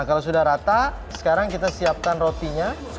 kalau sudah rata sekarang kita siapkan rotinya